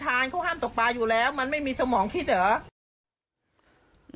เขาห้ามตกปลาอยู่แล้วมันไม่มีสมองคิดเหรอ